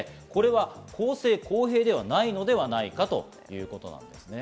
公正公平ではないのではないかということです。